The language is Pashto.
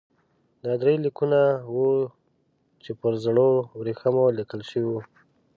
دا درې لیکونه وو چې پر ژړو ورېښمو لیکل شوي وو.